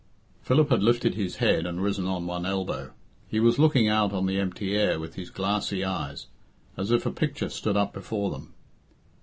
Philip had lifted his head and risen on one elbow. He was looking out on the empty air with his glassy eyes, as if a picture stood up before them.